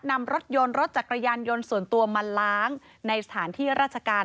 นำรถยนต์รถจักรยานยนต์ส่วนตัวมาล้างในสถานที่ราชการ